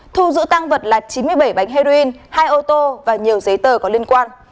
thu giữ tăng vật là chín mươi bảy bánh heroin hai ô tô và nhiều giấy tờ có liên quan